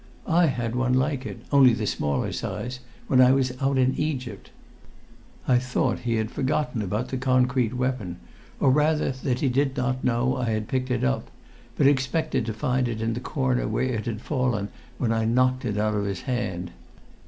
I had one like it, only the smaller size, when I was out in Egypt." I thought he had forgotten about the concrete weapon, or rather that he did not know I had picked it up, but expected to find it in the corner where it had fallen when I knocked it out of his hand.